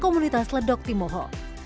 komunitas ledok timoho